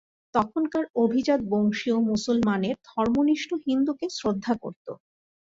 তখনকার অভিজাত বংশীয় মুসলমানের ধর্মনিষ্ঠ হিন্দুকে শ্রদ্ধা করত।